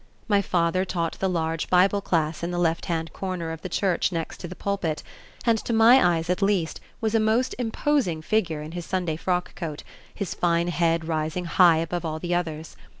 My father taught the large Bible class in the lefthand corner of the church next to the pulpit, and to my eyes at least, was a most imposing figure in his Sunday frock coat, his fine head rising high above all the others.